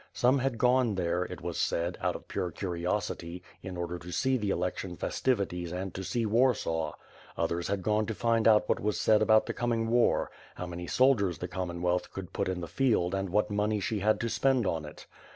Some had gone there, it was said, out of pure curiosity; in order to see the election festivities and to see Warsaw; others had gone to find out what was said about the coming war; how many soldiers the Commonwealth could put in the field and what money she had to spend on it.